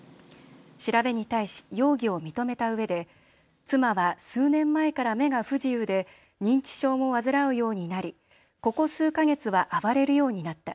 調べに対し容疑を認めたうえで妻は数年前から目が不自由で認知症も患うようになりここ数か月は暴れるようになった。